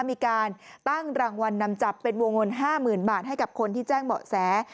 มีการตั้งรางวัลนำจับเป็นวงเงิน๕๐๐๐บาทให้กับคนที่แจ้งเบาะแส